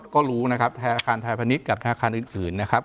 ก็รู้นะครับทหารไทยพนิษฐ์กับทหารอื่นนะครับ